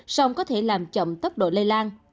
song có thể làm chậm tốc độ lây lan